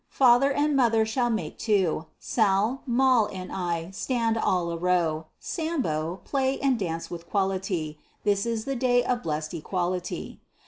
Father and mother shall make two; Sal, Moll, and I stand all a row; Sambo, play and dance with quality; This is the day of blest equality.